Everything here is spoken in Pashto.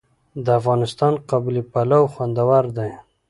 د افغانستان قابلي پلاو خوندور دی